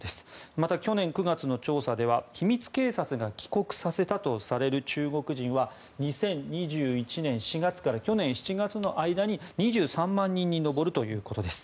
また去年９月の調査では秘密警察が帰国させたとされる中国人は２０２１年４月から去年７月の間に２３万人に上るということです。